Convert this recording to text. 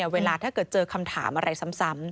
เวลาถ้าเกิดเจอคำถามอะไรซ้ำ